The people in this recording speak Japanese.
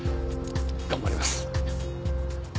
頑張ります。